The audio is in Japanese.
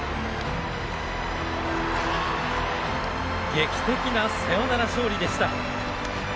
劇的なサヨナラ勝利でした。